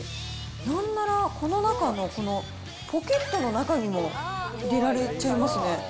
なんならこの中のこの、ポケットの中にも入れられちゃいますね。